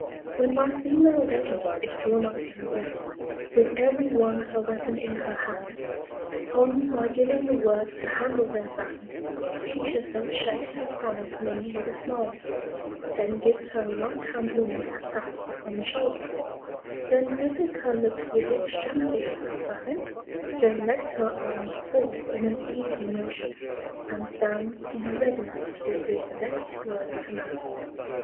When my Female Regiment is drawn up in Array, with every one her Weapon in her Hand, upon my giving the Word to handle their Fans, each of them shakes her Fan at me with a Smile, then gives her Right hand Woman a Tap upon the Shoulder, then presses her Lips with the Extremity of her Fan, then lets her Arms fall in an easy Motion, and stands in a Readiness to receive the next Word of Command.